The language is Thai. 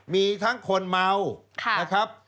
มีทั้งคนเมานะครับ